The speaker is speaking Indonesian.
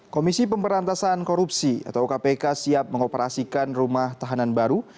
komisi pemberantasan korupsi atau kpk siap mengoperasikan rumah tahanan baru